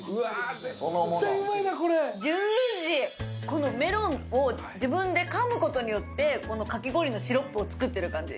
このメロンを自分でかむことによって、かき氷のシロップを作ってる感じ。